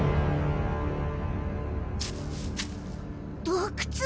洞窟？